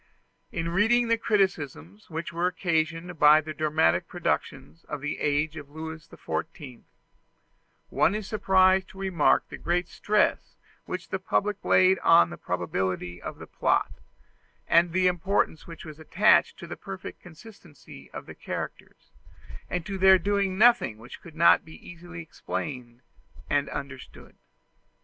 In reading the criticisms which were occasioned by the dramatic productions of the age of Louis XIV, one is surprised to remark the great stress which the public laid on the probability of the plot, and the importance which was attached to the perfect consistency of the characters, and to their doing nothing which could not be easily explained and understood.